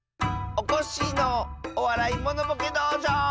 おこっしぃの「おわらいモノボケどうじょう」！